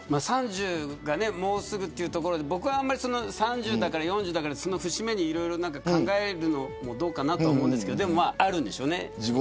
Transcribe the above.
３０がもうすぐというところで僕は３０だから４０だからという節目にいろいろ考えるのもどうかなと思いますがあるんでしょうね。